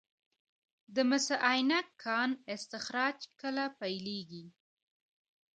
د مس عینک کان استخراج کله پیلیږي؟